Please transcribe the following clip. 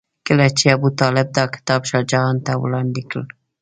کله چې ابوطالب دا کتاب شاه جهان ته وړاندې کړ.